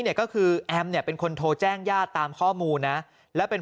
เนี่ยก็คือแอมเนี่ยเป็นคนโทรแจ้งญาติตามข้อมูลนะแล้วเป็น